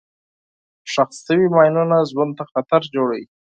ښخ شوي ماینونه ژوند ته خطر جوړوي.